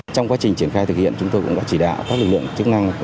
trong quá trình triển khai thực hiện chúng tôi cũng đã chỉ đạo các lực lượng chức năng